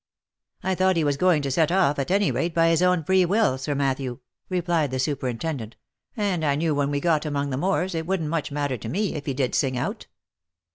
" I thought he was going to set off, at any rate, by his own free will, Sir Matthew," replied the superintendent, " and I knew when we got among the moors, it wouldn't much matter to me, if he did sing out."